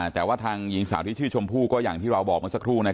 แต่ว่าทางหญิงสาวที่ชื่อชมพู่ก็อย่างที่เราบอกเมื่อสักครู่